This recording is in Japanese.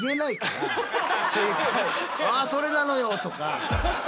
「あそれなのよ」とか。